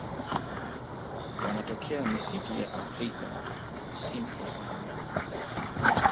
Wanatokea misitu ya Afrika kusini kwa Sahara.